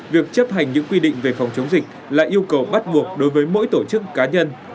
việc chấp hành những quy định về phòng chống dịch là yêu cầu bắt buộc đối với mỗi tổ chức cá nhân